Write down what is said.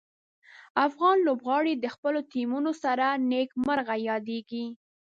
افغان لوبغاړي د خپلو ټیمونو سره نیک مرغه یادیږي.